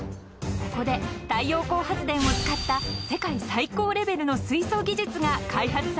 ［ここで太陽光発電を使った世界最高レベルの水素技術が開発されました］